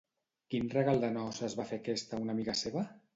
Quin regal de noces va fer aquesta a una amiga seva?